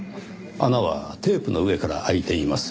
穴はテープの上から開いています。